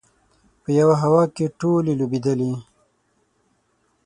په یوه هوا کې ټولې لوبېدلې.